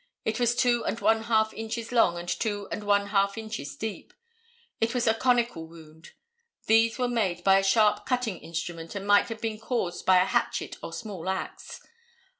It was two and one half inches long and two and one half inches deep. It was a conical wound. These were made by a sharp cutting instrument and might have been caused by a hatchet or small axe.